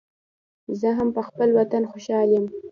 زه هم پخپل وطن خوشحال یم